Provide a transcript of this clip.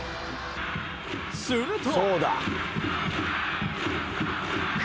すると。